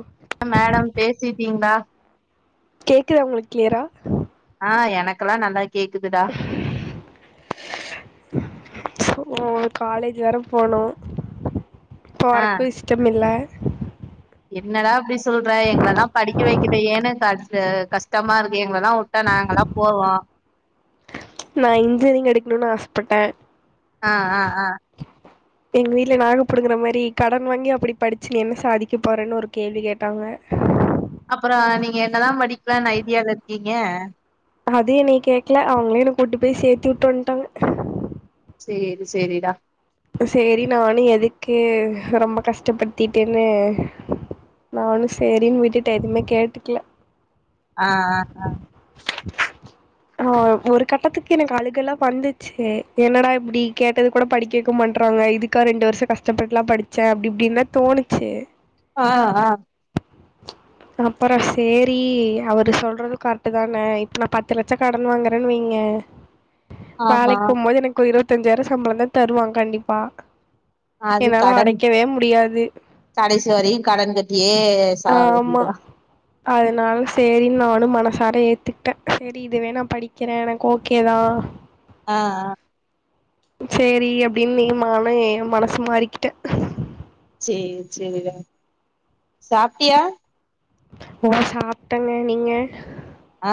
ம் [unintelligible] மேடம் பேசிட்டீங்ளா கேக்குதா உங்களுக் கிளியரா ஆ எனக்கெல்லா நல்லா கேக்குதுடா [inaudible] [unintelligible] சோ காலேஜ் வேர போனு ஆ போறக்கு இஷ்டமில்ல என்னடா அப்டி சொல்ற எங்களலா படிக்க வைக்கலயேன்னு க கஷ்டமா இருக்கு எங்களலா வுட்டா நாங்களா போவோ நா இன்ஜினியரிங் எடுக்கணுன் ஆசப்பட்ட ஆ ஆ ஆ [inaudible] எங்க வீட்ல நாக்க புடுங்கற மாரி கடன் வாங்கி அப்டி படிச்சி நீ என்ன சாதிக்க போறன்னு ஒரு கேள்வி கேட்டாங்க அப்பறோ நீங்க என்னதா படிக்லான் ஐடியால இருக்கீங்க அது என்னய கேக்ல அவங்களே என்ன கூட்டு பேய் சேத்து விட்டு வன்ட்டாங்க சேரி செரிடா சேரி நானு எதுக்கு ரொம்ப கஷ்டப்படுத்திட்டுன்னு நானு சேரின்னு விட்டுட்ட எதுமே கேட்டுக்ல ஆ ஆ ஆ [inaudible] [unintelligible] ஆ ஒரு கட்டத்துக்கு எனக்கு அழுகல்லா வந்துச்சு என்னடா இப்டி கேட்டது கூட படி கேக்க மாட்றாங்க இதுக்கா ரெண்டு வர்ஷோ கஷ்டப்பட்டுலா படிச்சே அப்டி இப்டின்தா தோணிச்சு ஆ ஆ அப்பறோ சேரி அவரு சொல்றது கர்ட்டு தானே இப்ப நா பத்து லட்சோ கடன் வாங்குறேன் வெய்ங்க ஆமா வேலைக்கு போம்போது எனக்கு ஒரு இருவத்தஞ்சாயிரோ சம்பளந்தா தருவா கண்டிப்பா அது என்னால கடன் அடைக்கவே முடியாது கடைசி வரையு கடன் கட்டியே சாவ ஆமா வேண்டிதா அதனால சேரின் நானு மனசார ஏத்துக்ட்டே சேரி இதுவே நா படிக்கிறே எனக்கு ஓகேதா ஆ ஆ சேரி அப்டின் நீமானு மனசு மாறிக்கிட்டே சேர் சேரி டா சாப்ட்டியா நா சாப்ட்டங்க நீங்க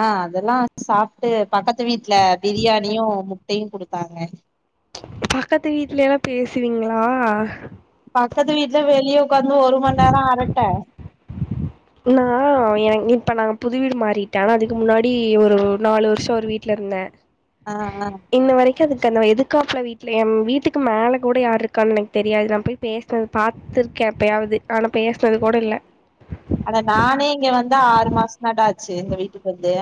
ஆ அதல்லா சாப்ட்டு பக்கத்து வீட்ல பிரியாணியு முட்டயு குடுத்தாங்க பக்கத்து வீட்ல எல்லா பேசுவீங்ளா பக்கத்து வீட்ல வெளிய ஒக்காந்து ஒரு மண் நேரோ அரட்ட நா என இப்ப நாங்க புது வீடு மாறிட்டே ஆனா அதுக்கு முன்னாடி ஒரு நாலு வர்ஷோ ஒரு வீ ட்லருந்தே ஆ ஆ இன்ன வரைக்கு அதுக்கு அந்த எதுகாப்ல வீட்ல என் வீட்டுக்கு மேல கூட யார்ருக்கான் எனக்கு தெரியாது நா போய் பேசுனது பாத்துருக்கே எப்பயாவ்து ஆனா பேசுனது கூடல்ல ஆனா நானே இங்க வந்து ஆறு மாச தான்டா ஆச்சு எங்க வீட்டு வந்து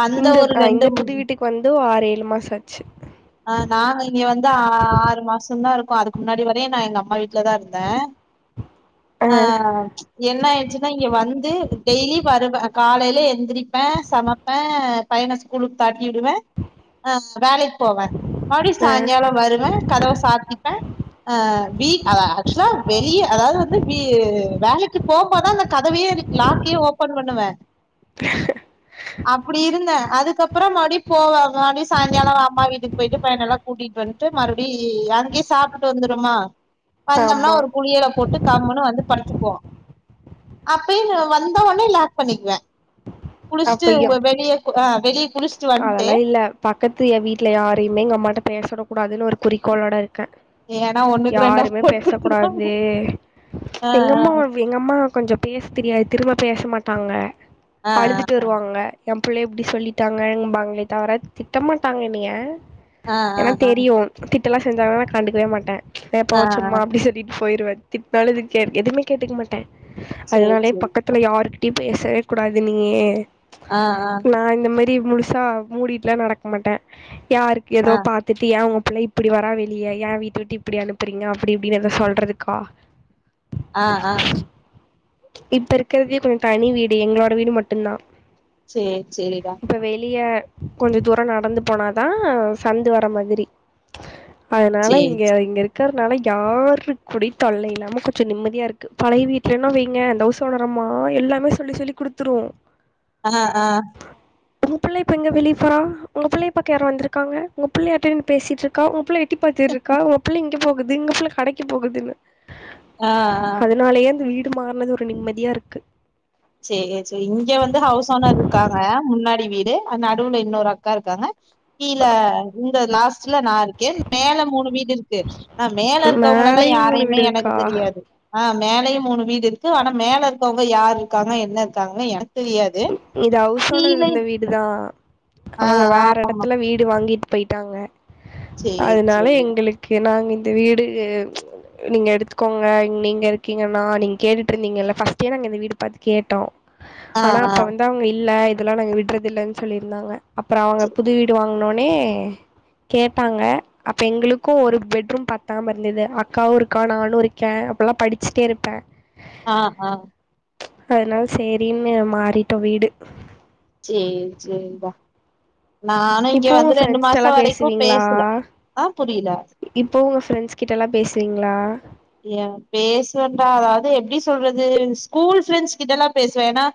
வந்த இந்த ஒரு ஆ ரெண்டு இந்த புது வீட்டுக்கு வந்து ஆறு ஏழு மாசோ ஆச்சு ஆ நாங்க இங்க வந்து ஆ ஆறு மாசந்தாருக்கு அதுக்கு முன்னாடி வரயு நா எங்கம்மா வீட் ட்ல தாருந்தே ஆ என்ன ஆயிடுச்சுன்னா இங்க வந்து டெய்லி வருவே காலைல எந்திரிப்பே சமப்பே பையன ஸ்கூலுக்கு தாட்டிவிடுவே ஆ வேலைக்கு போவே மறுப்டி ஆ சாய்ங்காலோ வருவே கதவ சாத்திப்பே ஆ வீ அதா ஆக்சுவலா வெளிய அதாவ்து வந்து வீ வேலைக்கு போ ப்ப தா அந்த கதவயே லாக்கே ஓபன் பண்ணுவே அப்டி இருந்தே அதுக்கப்றோ மறுப்டி போவே மறுப்டி சாய்ங்காலோ அம்மா வீட்டுக்கு போய்ட்டு பையனல்லா கூட்டிட் வன்ட்டு மறுப்டி அங்கே சாப்ட்டுட்டு வந்துரமா வந்தம்னா ஆமா ஒரு குளியல போட்டு கம்முன்னு வந்து படுத்துப்போ அப்பயே நா வந்த ஒன்னே லாக் பண்ணிக்வே குளுச்சுட்டு அப்பையு வெளிய ஆ வெளிய குளுச்சுட்டு வன்ட்டு அதெல்லா இல்ல பக்கத்து எ வீட்ல யாரைமே எங்கம்மாட்ட பேச வுட கூடாதுன் ஒரு குறிக்கோளோட இருக்கே ஏன்னா ஒண்ணுக்கு ரெண்டா யாருமே போட்டு பேச குடுத்துருவாங்க கூடாது ஆ எங்கம்மா எங்கம்மா கொஞ்சோ பேச தெரியாது திரும்ப பேச மாட்டாங்க ஆ அழுதுட்டு வ ருவாங்க எ புள்ளய இப்டி சொல்லிட்டாங்கங்ம்பாங்ளே தவர திட்டமாட்டாங்க என்னய ஆ ஆ ஏனா ஆ தெரியு திட்டல்லா செஞ்சாங்கன்னா நா கண்டுக்கவே மாட்டே ஏ போ ஆ ஆ சும்மா ஆ அப்டி சொல்லி லிட்டு போயிருவே திட்னாலு எது கே எதுமே கேட்டுக்மாட்டே சேரி அதுனாலே சேரி பக்க த்துல யாருகிட்டயு பேசவே கூடாது நீயி ஆ ஆ நா இந்த மாரி முழுசா மூடிட்ல்லா நடக்மாட்டே யாருக்கு எதோ ஆ ஆ பா த்துட்டு ஏ ஒங்க புள்ள இப்டி வரா வெளிய ஏ வீட்ட விட்டு இப்டி அனுப்புறீங்க அப்டி இப்டின் எதா சொல்றதுக்கா ஆ ஆ இப்ப இருக்கறதே கொஞ்சோ தனி வீடு எங்களோட வீடு மட்டுந்தா சேரி சேரிடா இப்ப வெளிய கொஞ்ச தூரோ நடந்து போனாதா சந்து வர்ற மாதிரி அதனால சேரி இங்க இங்க இருக்கிறதுனால யாரு கூடயு தொல்லை இல்லாம கொஞ்சோ நிம்மதியா இருக்கு பழைய வீட்டலன்னு வைங்க அந்த ஹவுஸ் ஓனரம்மா எல்லாமே சொல்லி சொல்லி குடுத்துரு ஆ ஆ ஒங்க பிள்ள இப்ப எங்க வெளிய போற ஒங்க பிள்ளய பாக்க யாரோ வந்துருக்காங்க ஓங்க புள்ள யார்ட்டயோ நின்னு பேசிட்டுருக்கா ஒங்கபுள்ள எட்டி பாத்துட்ருக்கா ஒங்க பிள்ள இங்க போகுது ஒங்க பிள்ள கடைக்கு போகுதுன்னு ஆ ஆ அதுனாலயே அந்த வீடு மாறுனது ஒரு நிம்மதியா இருக்கு சேரி சேரி இங்க வந்து ஹவுஸ் ஓனர் இருக்காங்க முன்னாடி வீடு அது நடுவுல இன்னொரு அக்கா இருக்காங்க கீழ இந்த லாஸ்ட்ல நா இருக்கே மேல மூணு வீடு இருக்கு ஆ மேல இருக்கவங்களல்லா மேலேயும் மூணு யாரையுமே வீடு எனக்கு இருக்கா தெரியாது ஆ மேலயு மூணு வீடு இருக்கு ஆனா மேல இருக்கவங்க யாரு இருக்காங்க என்ன இருக்காங்கன்னு எனக்கு தெரியாது இது அவுஸ்சோனர் கீழே இருந்த வீடு தா ஆ அவங்க வேற இடத்துல வீடு வாங்கிட்டு போய்ட்டாங்க சேரி அதுனால சேரி எங்குளுக் கு நாங்க இந்த வீடு நீங்க எடுத்துக்கோங்க நீங்க இருக்கீங்கன்னா நீங்க கேட்டுட் இருந்தீங்கல்ல ஃபர்ஸ்ட்டே நாங்க இந்த வீடு பாத்து கேட்டோ ஆ ஆ அவுங்க இல்ல இதெல்லா நாங்க விட்றது இல்லன்னு சொல்லிருந்தாங்க அப்றோ அவங்க புது வீடு வாங்ன ஒன்னே கேட்டாங்க அப்ப எங்குளுக்கு ஒரு பெட்ரூம் பத்தாம இருந்தது அக்காவு இருக்கா நானு இருக் கே அப்பல்லா படிச்சிட்டே இருப்பே ஆ ஆ அதுனால சேரின்னு மாறிட்டோ வீடு சேரி சேரிப்பா நானு இங்க இப்போ உங்க வந்து ரெண்டு மாசோ ஃப்ரெண்ட்ஸ்ட்டல்லா வரைக்கு பேசல ஆ புரியல இப்பவு உங்க ஃப்ரெண்ட்ஸ் கிட்டலா பேசுவீங்ளா ஏ பேசுவன்டா அதாவது எப்டி சொல்றது ஸ்கூல் ஃப்ரெண்ட்ஸ் கிட்டல்லா பேசுவே ஏனா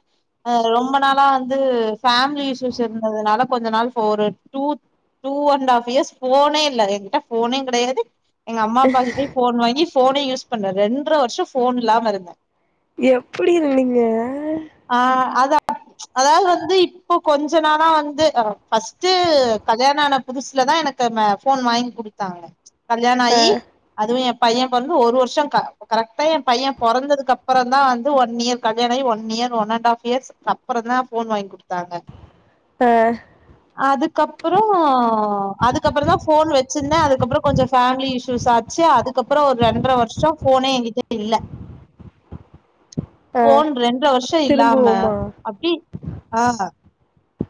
ஆ ரொம்ப நாளா வந்து ஃபேமிலி இஸ்யூஸ் இருந்ததுனால கொஞ்ச நாள் ஒரு two two and half years போனே இல்ல என்கிட்ட போனே கெடயாது எங்க அம்மா அப்பக்கிட்டயு ஃபோன் வாங்கி ஃபோனே யூஸ் பண்ணல ரெண்ற வருஷ்ஷோ ஃபோன் இல்லாம இருந்தே எப்டி இருந்தீங்க ஆ அதா அதாது வந்து இப்ப கொஞ்ச நாளா வந்து ஃபர்ஸ்ட் கல்யாண ஆன புதுசுல தா எனக்கு ஃபோன் வாங்கி குடுத்தாங்க கல்யாண ஆ ஆயி அதுவு ஏ பையே பொறந்து ஒரு வருஷ்ஷோ க கரெக்டா ஏ பையே பொறந்ததுக்கு அப்றோ தா வந்து ஒன் இயர் கல்யாண ஆயி one year one and half இயர்ஸ்க்கப்றோ தா ஃபோன் வாங்கி குடுத்தாங்க ஆ அதுக்கப்றோ அதுக்கப்றந்தா ஃபோன் வச்சிருந்தே அதுக்கப்றோ கொஞ்சோ ஃபேமிலி இஸ் யூஸ் ஆச்சி அதுக்கப்பறோ ஒரு ரெண்ற வருஷ்ஷோ ஃபோனே எங்கிட்ட இல்ல ஆ ஃபோன் ரெண்ற வருஷ்ஷோ இல்லாம திரும்புவோமா அப்டி ஆ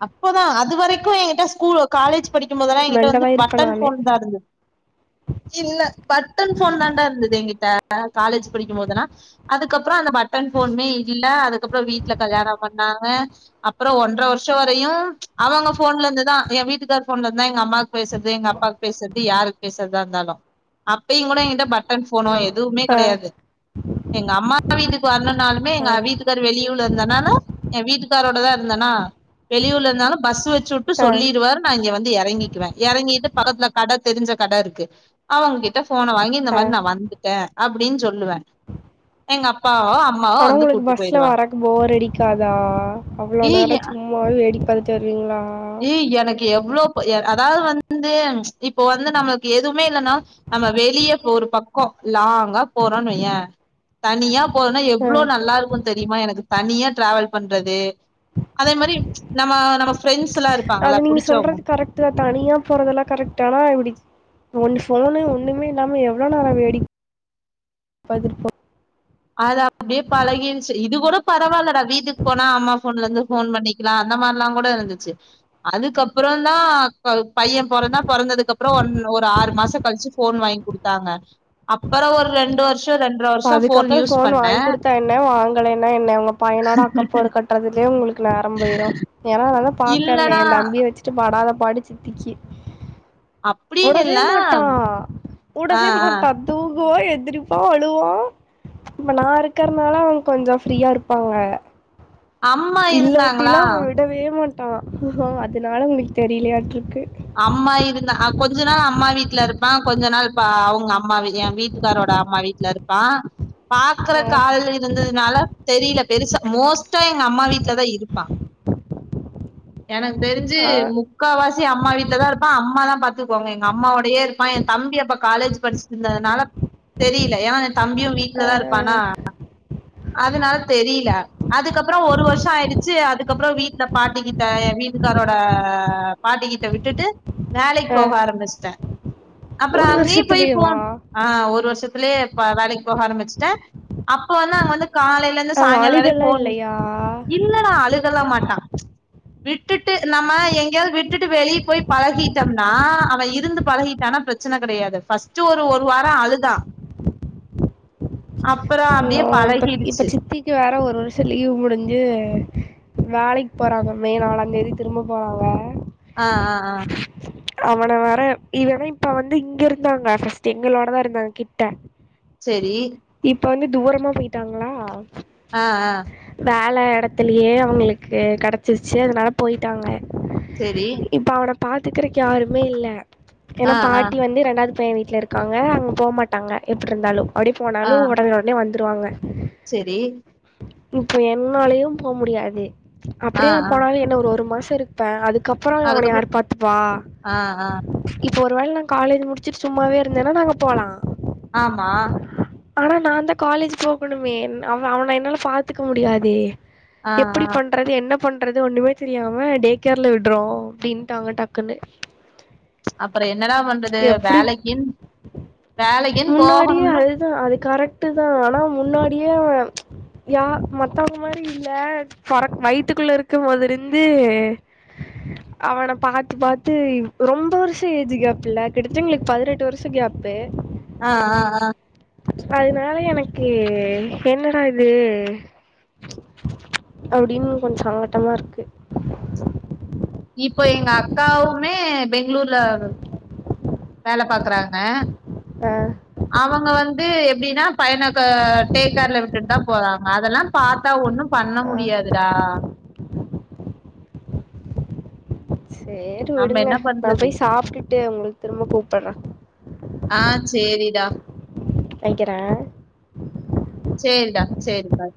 அப்பதா அது வரைக்கு எங்கிட்ட ஸ்கூல் காலேஜ் படிக்கு போதெல்லா எங்கிட்ட வந்து மெண்டலா இருப்ப பட்டன் நானு ஃபோன் தா இருந்தது இல்ல பட்டன் ஃபோன் தாண்டா இருந்துது என்கிட்ட காலேஜ் படிக்குபோதல்லா அதுக்கப்றோ அந்த பட்டன் ஃபோனுமே இல்ல அதுக்கப்றோ வீட்ல கல்யாண பண்ணாங்க அப்றோ ஒன்ற வர்ஷ் ஷோ வரையு அவங்க ஃபோன்லருந்து தா ஏ வீட்டுக்கார் ஃபோன்லருந்துதா எங்கம்மாக்கு பேசற்து எங்கப்பாக்கு பேசற்து யாருக் பேசற்தா இருந்தாலு அப்பயு கூட எங்கிட்ட பட்டன் ஃபோனோ எதுவுமே ஆ கெடையாது எங்க அம்மாப்பா வீட்டுக்கு வர்னு நாலுமே மே ஆ எங்க வீட்டுக்கார் வெளியூர்ல இருந்தனாலு எ வீட்டுக்காரோட தா இருந்தனா வெளியூரலருந்தாலு பஸ் வெச்சுட்டு ஆ ஆ சொல்லிருவாரு நா இங்க வந்து எறங்கிக்குவ எறங்கிட்டு பக்கத்துல கட தெரிஞ்ச கட இருக்கு அவங்கக்கிட்ட ஃபோன வாங்கி இந்த மாரி நா ஆனா வந்துட்டே அப்டின் சொல்லுவே எங்க அப்பாவோ அம் ஆனா உங்களுக்கு பஸ்ல வரக்கு போர் அடிக்காதா அவ்ளோ நேர ஏய் சும் சும்மாவே வேடிக்க பாத்துட்டே வருவீங்ளா எ எனக்கு எவ்ளோ இப்ப எ அதாவ்து வந்து இப்போ வந்து நம்மளுக்கு எதுமே இல்லனா நம்ப வெளிய ஒரு பக்கோ லாங்கா போறோனு வையே தனியா போறோனா ஆ எவ்ளோ நல்லாருக்கு தெரியுமா எனக்கு தனியா டிராவல் பண்றது அதே மாரி நம்ம நம்ம ஃப்ரெண்ட்ஸ் எல்லா இருப்பாங்கல்ல அது நீங்க புடிச்சவங்க சொல்றது கரெக்ட்டு தா தனியா போறதெல்லா க்ரெக்ட்டு ஆனா இப்டி ஒன்னு ஃபோனு ஒன்னுமே இல்லாம எவ்ளோ நேர வேடிக்க பாத்துட்டு போ அது அப்டியே பழகிருச்சு இது கூட பரவால்லடா வீடுக்கு போனா அம்மா ஃபோன்லருந்து ஃபோன் பண்ணிக் கிலா அந்த மாரிலா கூட இருந்துச்சு அதுக்கப்றோந்தா ப பைய பொறந்தா பொறந்ததுக்கப்றோ ஒன் ஒரு ஆறு மாச கழிச்சு ஃபோன் வாங்கி குடுத் தாங்க அப்பற ஒரு ரெண்டு வர்ஷ ரெண்ட்ர வர்ஷ அதுக்கப்பற ஃபோன் வாங்கி குடுத்தா என்ன வாங்கலைனா என்ன ஒங்க பையனோட அக்கப்போர் கட்றதுலே உங்களுக்கு நேரம்போயிரு ஏனா நா தா பாக்கறனே இல்லடா எந்தம்பிய வச்சுட்டு படாத பாடு சித்திக்கு அப்டின்னு உடவே இல்ல மாட்டா ஆ ஆ உடவே மாட்டா தூங்குவா எந்திரிப்பா அழு டுவா இப்ப நா இருக்கற்னால அவ்ங்க கொஞ்ச ஃப்ரீயா இருப்பாங்க அம்மா இல்லவட்டிலா இருந்தாங்களா அவ விடவே மாட்டா அதனால அவ்ங்களுக்கு தெரியலையாட்ருக்கு அம்மா இருந்தா அ கொஞ்ச நாள் அம்மா வீட்ட இருப்பா கொஞ்ச நாள் பா அவ்ங்க அம்மா வீ எ வீட்டுக்காரோட அம்மா வீ ட்ல இருப்பா ஆ பாக்குறக்கு ஆளு இருந்ததுனால தெரியல பெருசா மோஸ்டா எங்க அம்மா வீட்டலதா இருப்பா எனக்கு தெரிஞ்சு ஆ முக்கா வாசி அம்மா வீட் ட்லதா இருப்பா அம்மாதா பாத்துக்வாங்க எங்க அம்மாவோடையே இருப்பா எ தம்பி அப்ப காலேஜ் படிச்சுட்ருந்ததுனால தெரியல ஏனா எ தம்பியு ஆ வீட்லதா இருப்பானா அதுனால தெரிய்ல அதுக்கப்ற ஒரு வர்ஷ ஆயிருச்சு அதுக்கப்பற வீட்ல பாட்டி கிட்ட எ வீட்டுக்காரோட பாட்டிக்கிட்ட விட்டுட்டு வேலைக்கு ஆ போக ஆரம்மிச்சிட்டே அப்பற ஒரு அங்கயு போய் வருஷத்துலயேவா ஃபோன் ஆ ஒரு வர்ஷத்துலே அப்ப வேலைக்கு போக ஆரம்மிச்சுட்டே அப்ப வந்து அங்க வந்து காலைல இருந்து ஆமா சாய்ங்கால வரை அழுகல்லா ஃபோன் யூஸ் இல்லையா இல்லடா அழுகலா மாட்டா [inaudible] விட்டுட்டு நம்ம எங்கேயாவ்து விட்டுட்டு வெளியே போய் பழகிட்டம்னா அவ இருந்து பழகிட் டானா பிரச்சன கெடையாது ஃபஸ்ட்டு ஒரு ஒரு வார அழுதா [inaudible] அப்புறோ ஐயோ அப்டியே இப்ப இப்ப பழகிடுச்சு சித்திக்கு வேற ஒரு வர்ஷ லீவு முடிஞ்சு வேலைக்கு போறாங்க மே நாளாந்தேதி திரும்ப போறாங்க ஆ ஆ ஆ அவன வேற இவனா இப்ப வந்து இங்க இருந்தாங்க ஃபஸ்ட்டு எங்களோடதா இருந்தாங்க கிட்ட சேரி இப்ப வந்து தூரமா போயிட்டாங்ளா அ அ வேல எடத்துலயே அவுங்களுக்கு கெடைச்சிருச்சு அதனால போயிட்டாங்க செரி இப்ப அவன பாத்துக்கறக்கு யாருமே இல்ல ஏனா ஆ ஆ பாட்டி வந்து ரெண்டாவது பையன் வீட்ல இருக்கு க்காங்க அங்க போக மாட்டாங்க எப்டி இருந்தாலு அப்டி ஆ போனாலு ஒடன ஒடனே வந்துருவாங்க செரி இப்போ என்னாலயும் போ முடியாது ஆ அப்டியே நா ஆ போனாலு என்ன ஒரு ஒரு மாசோ ப்பே அதுக்கப்றோ அவன அதுக்கப்புறோ யார் பாத்தப்பா ஆ ஆ இப்ப ஒருவேள காலேஜ் மு டிருச்சி சும்மாவே இருந்தேன்னா நாங்க போலா ஆமா ஆனா நான்தா காலேஜ் போகணுமே அவன் அவனை என்னால பாத்துக்க முடியாதே ஆ ஆ எப்டி பண் றது என்ன பண்றது ஒண்ணுமே தெரியாம டே கேர்ல விடுறோ அப்டின்னுட்டாங்க டக்குனு [inaudible] அப்றோ என்னடா பண்றது வேலைக்குன் வேலைக்குன்னு போகணும்னு கரெக்ட்டுதா ஆனா முன்னாடியே யா மத்தவங்க மாரி இல்ல பொறக் வயித்துக்குள்ள இருக்கும்போது இருந்து அவன பாத்து பாத்து ரொம்ப வருஷோ ஏஜ் கேப் இல்ல கிட்டத்தட்ட எங்களுக்கு பதினெட்டு வருஷோ கேப்பு அ அ அ அதனால எனக்கு என்னடா இது ச் அப்டின்னு கொஞ்சோ சங்கட்டமா இருக்கு இப்ப எங்க அக்காவுமே பெங்களூர்ல வேல பாக்குறாங்க அ அவுங்க வந்து எப்டினா பையன க டேக் கேர்ல விட்டுட்டுதா போறாங்க அதெல்லா பாத்தா ஒண்ணும் பண்ண ஆ முடியாதுடா சேரி நம்ம விடுங்க என்ன நா பண்றது போய் சாப்டுட்டு உங்களுக்கு திரும்ப கூப்டுறேன் ஆ சேரிடா வெக்கற சேரிடா சேரி பாய்